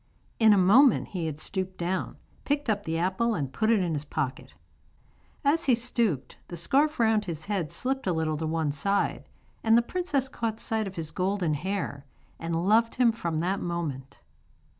In a moment he had stooped down, picked up the apple and put it in his pocket. As he stooped the scarf round his head slipped a little to one side, and the princess caught sight of his golden hair, and loved him from that moment.